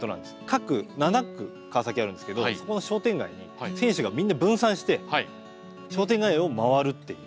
各７区川崎はあるんですけどそこの商店街に選手がみんな分散して商店街を回るっていう。